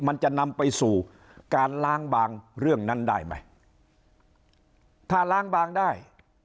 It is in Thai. มันจะนำไปสู่การล้างบางเรื่องนั้นได้ไหมถ้าล้างบางได้